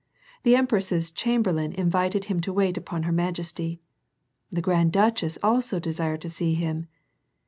The empress's chamber lain invited him to wait upon her majesty. The grand duchess also desired to see him.